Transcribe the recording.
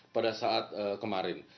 pada saat kemarin